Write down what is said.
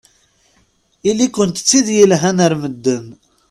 Ili-kent d tid yelhan ar medden.